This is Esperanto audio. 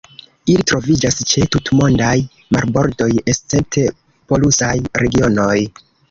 Ili troviĝas ĉe tutmondaj marbordoj escepte polusaj regionoj.